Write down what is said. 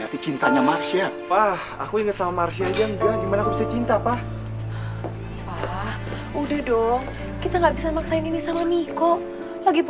dan sekarang baru ketemu lagi